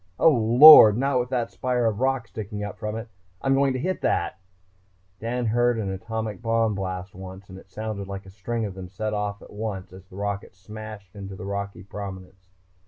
Oh, Lord! Not with that spire of rock sticking up from it.... I'm going to hit that ..." Dan had heard an atomic bomb blast once and it sounded like a string of them set off at once as the rocket smashed into the rocky prominence.